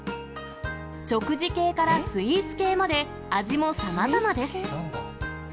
食事系からスイーツ系まで、味もさまざまです。